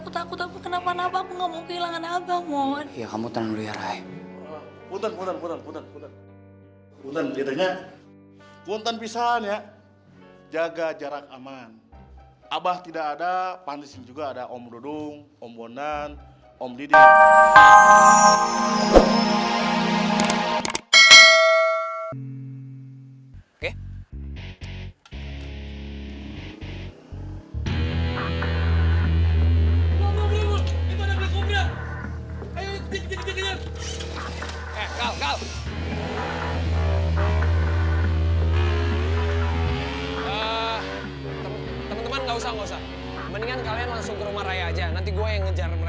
tapi aku takut apa kenapa abah aku gak mau kehilangan abah mon